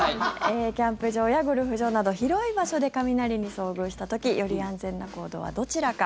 キャンプ場やゴルフ場など広い場所で雷に遭遇した時より安全な行動はどちらか。